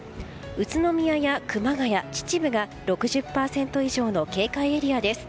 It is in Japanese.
宇都宮や熊谷、秩父が６０％以上の警戒エリアです。